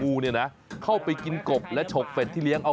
งูด้านกินกบเข้าไปอยากกินกบทำอย่างไรได้ก็ต้องกินงู